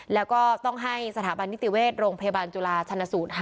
แล้วก็ต้องให้สถาบันนิติเวชโรงพยาบาลจุฬาชนสูตร๕